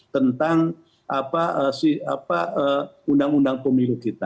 tentang undang undang pemilu kita